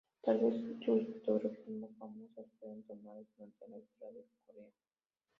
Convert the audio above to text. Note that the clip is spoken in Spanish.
Tal vez sus fotografías más famosas fueron tomadas durante la Guerra de Corea.